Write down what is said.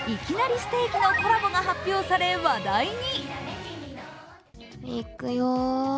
ステーキのコラボが発表され話題に。